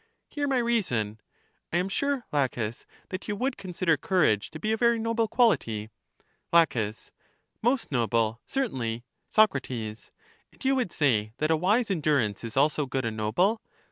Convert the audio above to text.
Hear my reason: I am sure. Laches, that you would consider courage to be a very noble quality. La, Most noble, certainly. Soc, And you would say that a wise endurance is also good and noble?